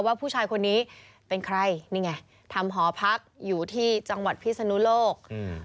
ว่าผู้ชายคนนี้เป็นใครนี่ไงทำหอพักอยู่ที่จังหวัดพิศนุโลก